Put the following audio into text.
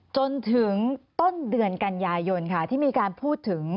จนถึงต้นเดือนกันยายนค่ะที่มีการพูดถึง